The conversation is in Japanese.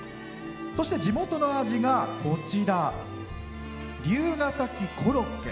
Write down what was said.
そして、地元の味が龍ケ崎コロッケ。